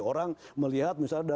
orang melihat misalnya